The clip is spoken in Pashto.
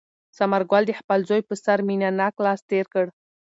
ثمر ګل د خپل زوی په سر مینه ناک لاس تېر کړ.